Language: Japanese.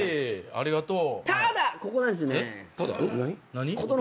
ありがとう。